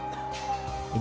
ini merupakan simbolnya